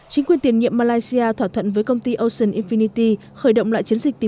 chính quyền tiền nhiệm malaysia thỏa thuận với công ty ocean infinity khởi động lại chiến dịch